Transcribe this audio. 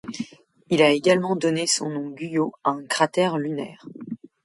Il a également donné son nom Guyot à un cratère lunaire.